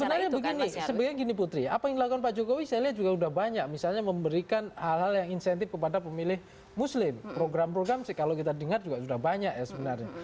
sebenarnya begini sebenarnya gini putri apa yang dilakukan pak jokowi saya lihat juga sudah banyak misalnya memberikan hal hal yang insentif kepada pemilih muslim program program kalau kita dengar juga sudah banyak ya sebenarnya